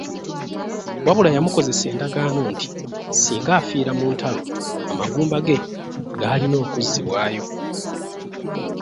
Wabula yamukozesa endagaano nti singa afiira mu ntalo amagumba ge gaalina okuzzibwayo.